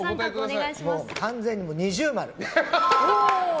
完全に二重丸。